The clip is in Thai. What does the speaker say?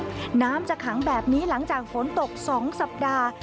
น้ำจะขังแบบนี้หลังจากฝนตก๒สัปดาห์